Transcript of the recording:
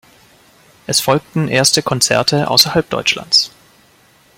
Es folgten erste Konzerte außerhalb Deutschlands.